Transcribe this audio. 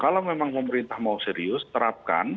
kalau memang pemerintah mau serius terapkan